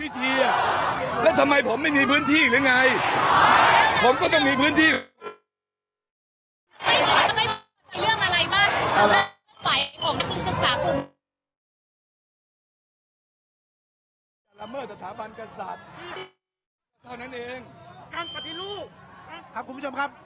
ครับคุณผู้ชมครับ